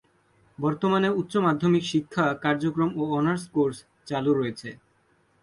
বর্তমানে উচ্চমাধ্যমিক শিক্ষা কার্যক্রম ও অনার্স কোর্স চালু রয়েছে।